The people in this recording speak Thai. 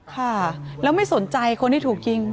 ค่ะแล้วไม่สนใจคนที่ถูกยิง